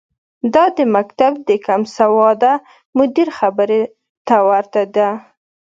دا د مکتب د کمسواده مدیر خبرې ته ورته ده.